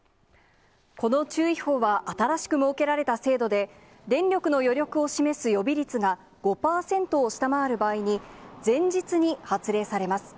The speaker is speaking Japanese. この注意報は新しく設けられた制度で、電力の余力を示す予備率が５％を下回る場合に、前日に発令されます。